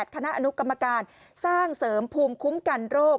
คณะอนุกรรมการสร้างเสริมภูมิคุ้มกันโรค